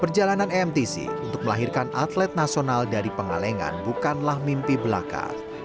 perjalanan emtc untuk melahirkan atlet nasional dari pengalengan bukanlah mimpi belaka